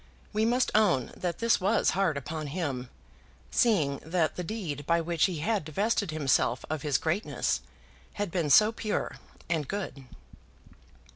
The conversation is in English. We must own that this was hard upon him, seeing that the deed by which he had divested himself of his greatness had been so pure and good!